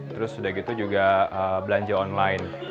terus udah gitu juga belanja online